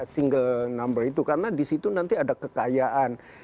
single number itu karena di situ nanti ada kekayaan